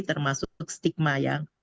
termasuk stigma ya